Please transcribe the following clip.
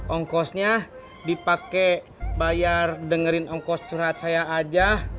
ongkosnya dipakai bayar dengerin ongkos curhat saya aja